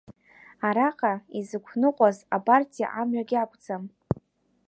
Араҟа изықәныҟәаз апартиа амҩагь акәӡам.